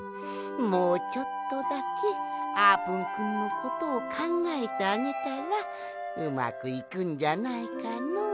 もうちょっとだけあーぷんくんのことをかんがえてあげたらうまくいくんじゃないかのう？